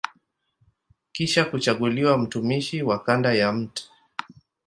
Kisha kuchaguliwa mtumishi wa kanda ya Mt.